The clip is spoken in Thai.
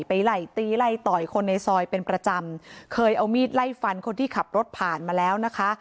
ไหล่ตีไล่ต่อยคนในซอยเป็นประจำเคยเอามีดไล่ฟันคนที่ขับรถผ่านมาแล้วนะคะ